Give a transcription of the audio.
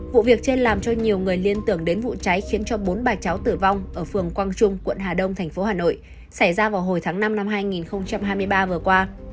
vụ việc trên làm cho nhiều người liên tưởng đến vụ cháy khiến cho bốn bà cháu tử vong ở phường quang trung quận hà đông tp hà nội xảy ra vào hồi tháng năm năm hai nghìn hai mươi ba vừa qua